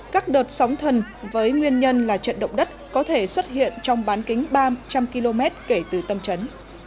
các đợt sóng thần với nguyên nhân là trận động đất có thể xuất hiện trong bán kính ba trăm linh km kể từ tâm trấn